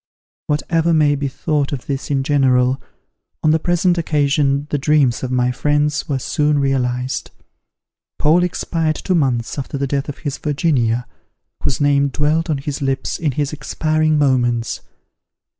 Whatever may be thought of this in general, on the present occasion the dreams of my friends were soon realized. Paul expired two months after the death of his Virginia, whose name dwelt on his lips in his expiring moments.